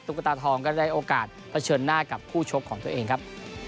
ตุ๊กตาทองก็ได้โอกาสประเชิญหน้ากับผู้ชวบของตัวเองครับ